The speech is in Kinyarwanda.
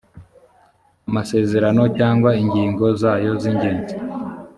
amasezerano cyangwa ingingo zayo z ingenzi